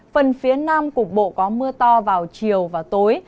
phần phía nam cục bộ có mưa to vào chiều và tối